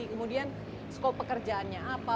kemudian skop pekerjaannya apa